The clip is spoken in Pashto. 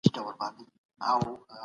زه له خطره ځان ژغورم او پر مخ ځم.